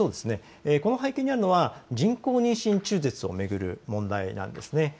そうですね、この背景にあるのは人工妊娠中絶を巡る問題なんですね。